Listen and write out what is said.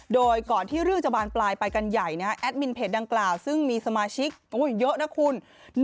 โดยก่อนที่เรื่องจะบานปลายไปกันใหญ่แอดมินเพจดังกล่าวซึ่งมีสมาชิกเยอะนะคุณ